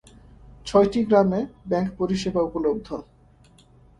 ছয়টি গ্রামে ব্যাংক পরিষেবা উপলব্ধ।